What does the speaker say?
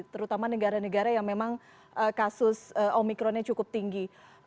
terutama negara negara yang memang kasus omikronnya cukup tinggi